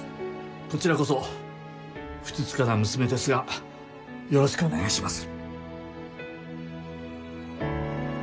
こちらこそふつつかな娘ですがよろしくお願いします。